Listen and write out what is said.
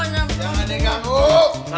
jangan deh gak mau